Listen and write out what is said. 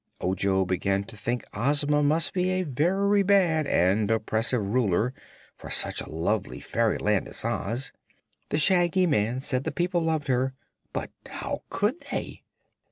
Ojo began to think Ozma must be a very bad and oppressive Ruler for such a lovely fairyland as Oz. The Shaggy Man said the people loved her; but how could they?